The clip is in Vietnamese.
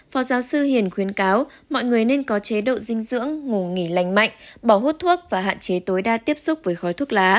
phó giáo sư hiền khuyến cáo mọi người nên có chế độ dinh dưỡng ngủ nghỉ lành mạnh bỏ hút thuốc và hạn chế tối đa tiếp xúc với khói thuốc lá